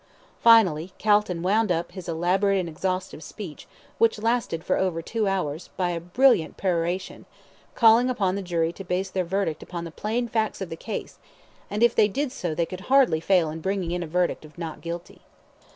Finally, Calton wound up his elaborate and exhaustive speech, which lasted for over two hours, by a brilliant peroration, calling upon the jury to base their verdict upon the plain facts of the case, and if they did so they could hardly fail in bringing in a verdict of "Not Guilty."